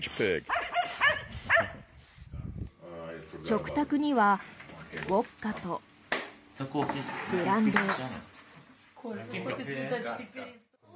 食卓にはウォッカとブランデー。